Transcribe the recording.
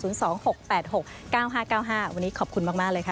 วันนี้ขอบคุณมากเลยค่ะ